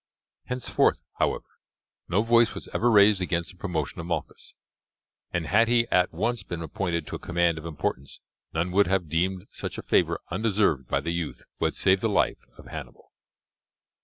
Henceforth, however, no voice was ever raised against the promotion of Malchus, and had he at once been appointed to a command of importance none would have deemed such a favour undeserved by the youth who had saved the life of Hannibal.